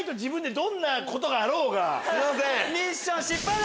どんなことがあろうが。